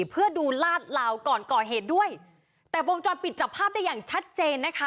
เพื่อดูลาดลาวก่อนก่อเหตุด้วยแต่วงจรปิดจับภาพได้อย่างชัดเจนนะคะ